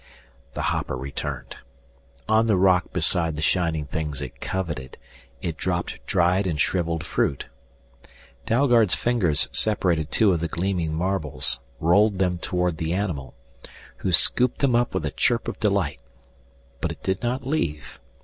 The hopper returned. On the rock beside the shining things it coveted, it dropped dried and shriveled fruit. Dalgard's fingers separated two of the gleaming marbles, rolled them toward the animal, who scooped them up with a chirp of delight. But it did not leave.